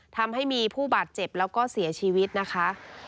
ทำให้มีผู้บาดเจ็บแล้วก็เสียชีวิตนะคะ